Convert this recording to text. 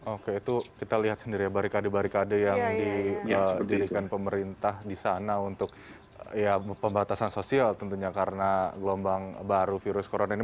oke itu kita lihat sendiri ya barikade barikade yang didirikan pemerintah di sana untuk ya pembatasan sosial tentunya karena gelombang baru virus corona ini